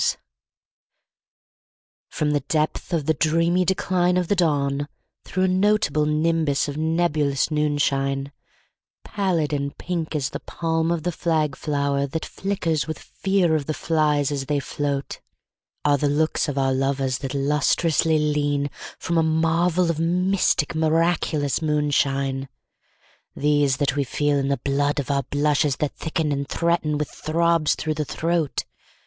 ] FROM the depth of the dreamy decline of the dawn through a notable nimbus of nebulous noonshine, Pallid and pink as the palm of the flag flower that flickers with fear of the flies as they float, Are the looks of our lovers that lustrously lean from a marvel of mystic miraculous moonshine, These that we feel in the blood of our blushes that thicken and threaten with throbs through the throat?